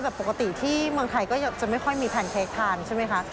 ปกติที่เมืองไทยก็จะไม่ค่อยมีแพนเค้กทานใช่ไหมคะ